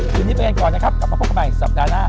คืนนี้ไปกันก่อนนะครับกลับมาพบกันใหม่สัปดาห์หน้า